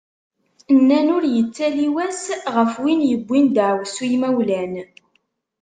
Nnan ur yettali wass, ɣef win yewwin daεwessu imawlan.